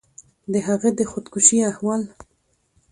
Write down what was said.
د هغه د خودکشي احوال